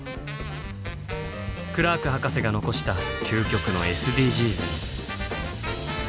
クラーク博士が残した究極の「ＳＤＧｓ」に。